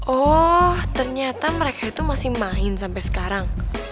oh ternyata mereka itu masih main sampai sekarang